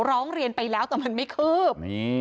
ร้องเรียนไปแล้วแต่มันไม่คืบ